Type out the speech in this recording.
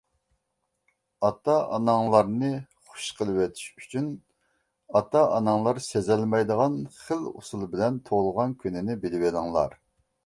-ئاتا-ئاناڭلارنى خۇش قىلىۋېتىش ئۈچۈن، ئاتا-ئاناڭلار سېزەلمەيدىغان خىل ئۇسۇل بىلەن تۇغۇلغان كۈنىنى بىلىۋېلىڭلار.